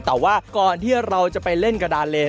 แต่ว่าก่อนที่เราจะไปเล่นกระดานเล